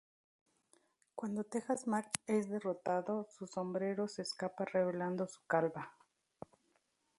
Cuando Texas Mac es derrotado, su sombrero se escapa revelando su calva.